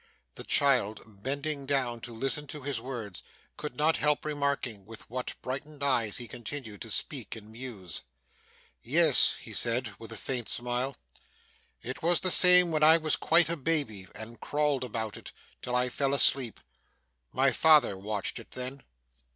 The child, bending down to listen to his words, could not help remarking with what brightened eyes he continued to speak and muse. 'Yes,' he said, with a faint smile, 'it was the same when I was quite a baby, and crawled about it, till I fell asleep. My father watched it then.